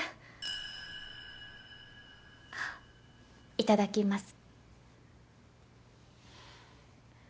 いただきます。